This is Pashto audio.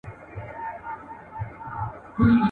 چي قبر ته راځې زما به پر شناخته وي لیکلي ..